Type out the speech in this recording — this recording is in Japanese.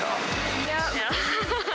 いや。